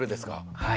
はい。